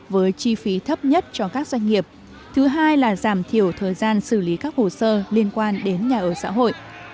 với chi phí thấp nhất cho các doanh nghiệp thứ hai là giảm thiểu thời gian xử lý các hồ sơ liên quan đến nguồn sản phẩm